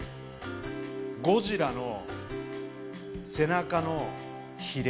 ゴジラの背中のヒレ。